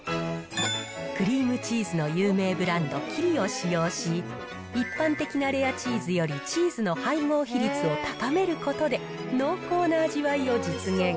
クリームチーズの有名ブランド、キリを使用し、一般的なレアチーズよりチーズの配合比率を高めることで、濃厚な味わいを実現。